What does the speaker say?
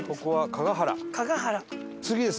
次です